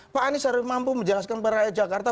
pak anies harus mampu menjelaskan kepada rakyat jakarta